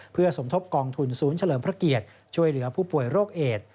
เพื่อสมทบกองทุนศูนย์เฉลิมพระเกียรติช่วยเหลือผู้ป่วยโรคเอด